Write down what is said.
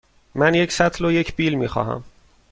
من یک سطل و یک بیل می خواهم.